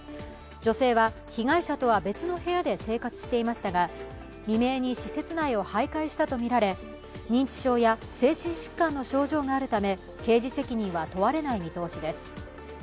女性は被害者とは別の部屋で生活していましたが、未明に施設内を徘徊したとみられ認知症や精神疾患の症状があるため刑事責任は問われない見通しです。